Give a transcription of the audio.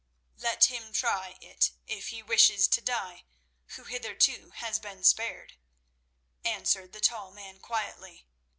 "Let him try it if he wishes to die, who hitherto has been spared," answered the tall man quietly.